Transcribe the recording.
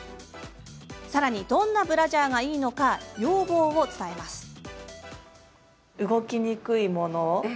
さらに、どんなブラジャーがいいのか要望を伝えます。